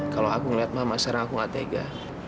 kalau aku ngeliat mama sekarang aku gak tega